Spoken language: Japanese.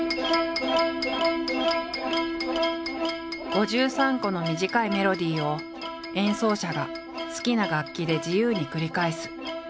５３個の短いメロディーを演奏者が好きな楽器で自由に繰り返す。